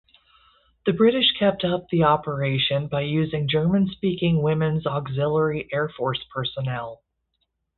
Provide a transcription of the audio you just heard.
The British kept up the operation by using German-speaking Women's Auxiliary Air Force personnel.